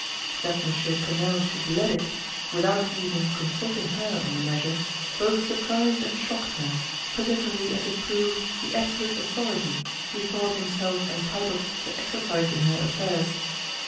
That Mons. Quesnel should let it, without even consulting her on the measure, both surprised and shocked her, particularly as it proved the absolute authority he thought himself entitled to exercise in her affairs.